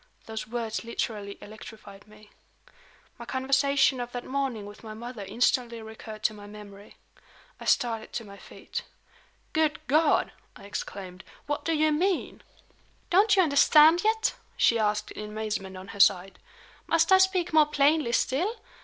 Those words literally electrified me. My conversation of that morning with my mother instantly recurred to my memory. I started to my feet. "Good God!" I exclaimed, "what do you mean?" "Don't you understand yet?" she asked in amazement on her side. "Must I speak more plainly still?